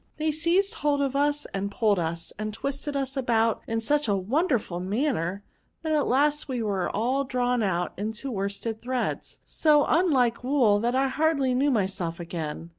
They seized hold of us, and pulled us^ and twisted us about in such a wonderful manner, that at last we were all drawn out into worsted threads, so imlike wool, that I hardly knew myself again.